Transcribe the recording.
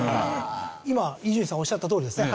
今伊集院さんおっしゃったとおりですね。